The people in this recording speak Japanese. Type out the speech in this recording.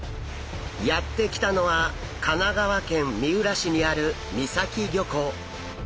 やって来たのは神奈川県三浦市にある三崎漁港。